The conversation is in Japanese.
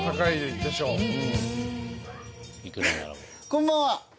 こんばんは。